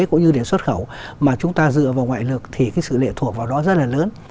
cũng như để xuất khẩu mà chúng ta dựa vào ngoại lực thì cái sự lệ thuộc vào đó rất là lớn